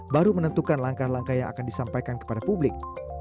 baru menentukan langkah langkah yang akan disampaikan kepada publik